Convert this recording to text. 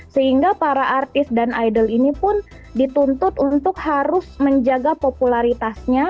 sehingga para artis dan idol ini pun dituntut untuk harus menjaga popularitasnya